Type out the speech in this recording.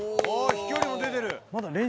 飛距離も出てる！